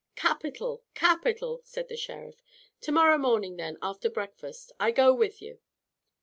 "Capital, capital," said the Sheriff. "To morrow morning then, after breakfast, I go with you.